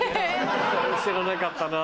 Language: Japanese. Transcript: それ知らなかったなぁ。